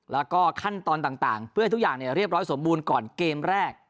แล้วก็ขั้นตอนต่างเพื่อให้ทุกอย่างเรียบร้อยสมบูรณ์ก่อนเกมแรก